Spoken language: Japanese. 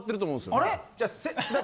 あれ？